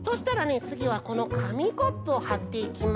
つぎはこのかみコップをはっていきます。